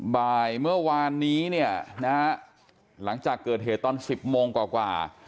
บ่ายเมื่อวานนี้เนี่ยนะฮะหลังจากเกิดเหตุตอน๑๐โมงกว่า